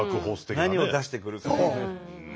何を出してくるか。